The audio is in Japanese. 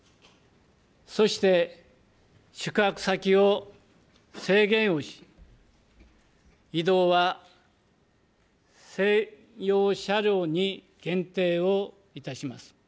そして宿泊先を制限をし、移動は専用車両に限定をいたします。